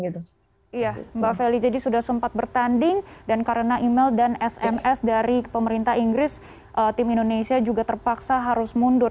iya mbak feli jadi sudah sempat bertanding dan karena email dan sms dari pemerintah inggris tim indonesia juga terpaksa harus mundur